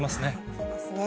そうですね。